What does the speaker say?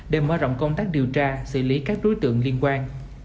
để mở rộng công tác điều tra xử lý các đối tượng liên quan